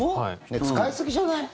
使いすぎじゃない？